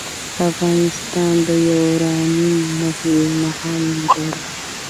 افغانستان د یورانیم نښې نښانې لري